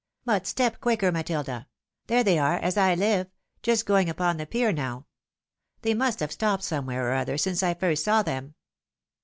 " But step quicker, Matilda ! There they are, as I hve, just going upon the pier now ! They must have stopped somewhere or other since I first saw them."